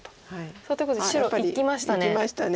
さあということで白いきましたね。